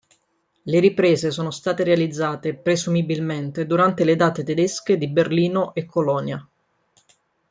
Le riprese sono state realizzate presumibilmente durante le date tedesche di Berlino e Colonia.